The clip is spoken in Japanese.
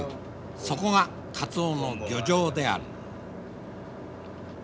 そこがカツオの漁場である。